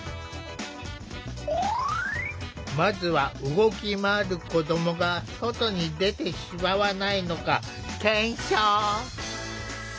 まずは動き回る子どもが外に出てしまわないのか検証。